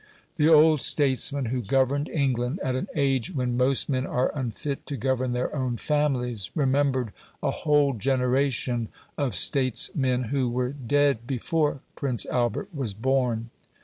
The old statesman who governed England, at an age when most men are unfit to govern their own families, remembered a whole generation of states men who were dead before Prince Albert was born.